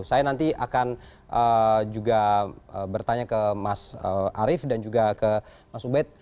saya nanti akan juga bertanya ke mas arief dan juga ke mas ubed